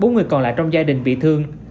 bốn người còn lại trong gia đình bị thương